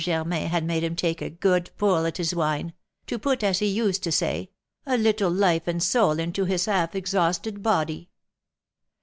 Germain had made him take a good pull at his wine, to put, as he used to say, a little life and soul into his half exhausted body."